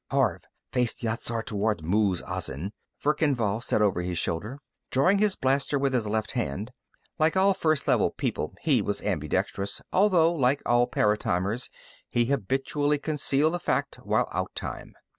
_" "Horv; face Yat Zar toward Muz Azin," Verkan Vall said over his shoulder, drawing his blaster with his left hand. Like all First Level people, he was ambidextrous, although, like all paratimers, he habitually concealed the fact while outtime.